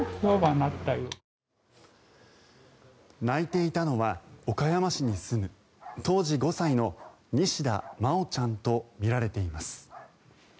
泣いていたのは岡山市に住む、当時５歳の西田真愛ちゃんとみられています。